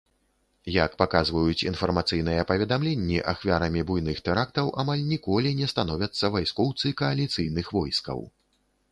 Як паказваюць інфармацыйныя паведамленні, ахвярамі буйных тэрактаў амаль ніколі не становяцца вайскоўцы кааліцыйных войскаў.